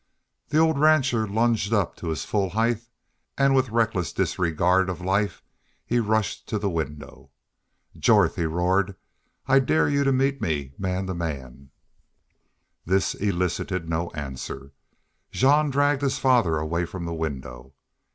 The old rancher lunged up to his full height and with reckless disregard of life he rushed to the window. "Jorth," he roared, "I dare you to meet me man to man!" This elicited no answer. Jean dragged his father away from the window.